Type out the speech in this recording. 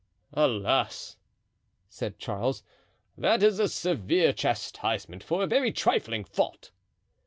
"Alas!" said Charles, "that is a severe chastisement for a very trifling fault."